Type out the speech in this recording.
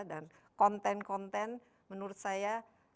dan konten konten menurut saya